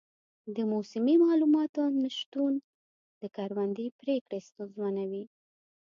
د موسمي معلوماتو نه شتون د کروندې پریکړې ستونزمنوي.